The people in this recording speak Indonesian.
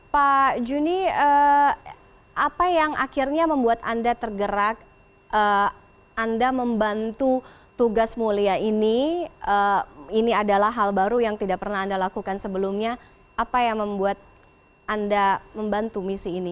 pak juni apa yang akhirnya membuat anda tergerak anda membantu tugas mulia ini ini adalah hal baru yang tidak pernah anda lakukan sebelumnya apa yang membuat anda membantu misi ini